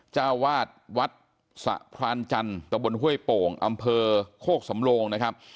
เจ้าวาดวัดสะพรานจันทร์ตะบนห้วยโป่งอำเภอโคกสำโลงนะครับ